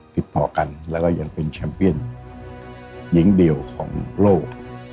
ติดต่อกันแล้วก็ยังเป็นแชมเปียนหญิงเดียวของโลก